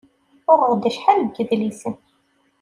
Uɣeɣ-d acḥal n yidlisen.